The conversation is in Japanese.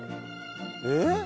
えっ？